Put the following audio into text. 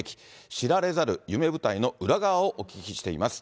知られざる夢舞台の裏側をお聞きしています。